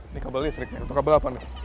ini kabel listrik atau kabel apa nih